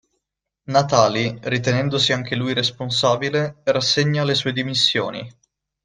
Natali, ritenendosi anche lui responsabile, rassegna le sue dimissioni.